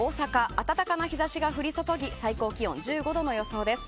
暖かな日差しが降り注ぎ最高気温１５度の予想です。